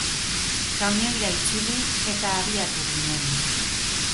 Kamioira itzuli, eta abiatu ginen.